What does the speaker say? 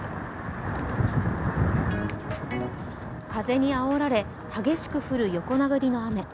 風にあおられ、激しく降る横殴りの雨。